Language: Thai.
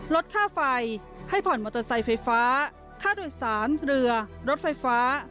ลดค่าไฟให้ผ่อนมอเตอร์ไซค์ไฟฟ้าค่าโดยสารเรือรถไฟฟ้า